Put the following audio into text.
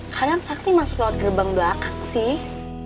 kadang sakti masuk lewat gerbang belakang sih